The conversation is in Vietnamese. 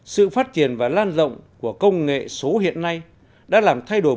sự phát triển và lan rộng của công nghệ số hiện nay đã làm thay đổi mọi thứ